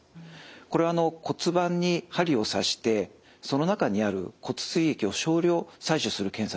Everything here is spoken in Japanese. これは骨盤に針を刺してその中にある骨髄液を少量採取する検査です。